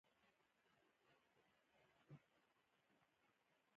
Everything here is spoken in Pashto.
د بخارۍ استعمال باید د خوندیتوب اصولو سره سم وي.